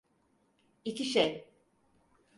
İki şey.